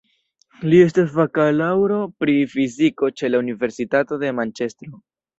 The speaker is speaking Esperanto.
Li estis bakalaŭro pri fiziko ĉe la Universitato de Manĉestro.